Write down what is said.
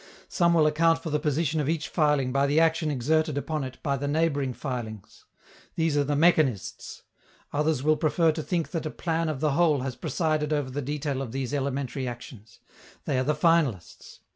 Some will account for the position of each filing by the action exerted upon it by the neighboring filings: these are the mechanists. Others will prefer to think that a plan of the whole has presided over the detail of these elementary actions: they are the finalists.